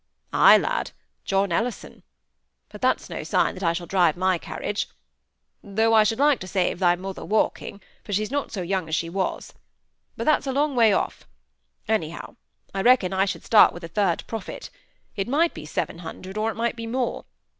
"Ay, lad, John Ellison. But that's no sign that I shall drive my carriage. Though I should like to save thy mother walking, for she's not so young as she was. But that's a long way off; anyhow. I reckon I should start with a third profit. It might be seven hundred, or it might be more.